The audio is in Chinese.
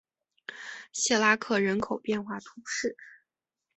谢拉克人口变化图示